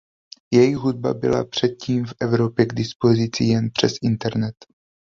Jejich hudba byla předtím v Evropě k dispozici jen přes internet.